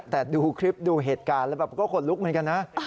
แต่ดูคลิปดูเหตุการณ์แล้วแบบก็ขนลุกเหมือนกันนะ